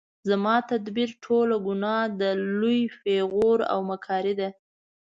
زما تدبیر ټوله ګناه ده لوی پیغور او مکاري ده